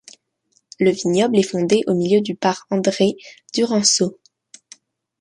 Le vignoble est fondé au milieu du par André Duranceau.